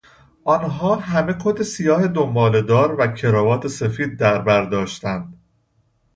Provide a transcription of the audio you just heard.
آنها همه کت سیاه دنباله دار و کروات سفید در بر داشتند.